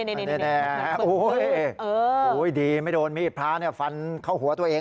มันแน่ดีไม่โดนมีดพระฟันเข้าหัวตัวเอง